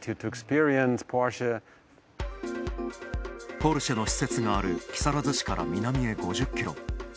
ポルシェの施設がある木更津市から南へ５０キロ。